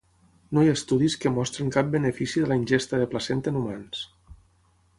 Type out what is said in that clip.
No hi ha estudis que mostrin cap benefici de la ingesta de placenta en humans.